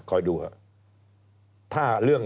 คอยดูเหอะ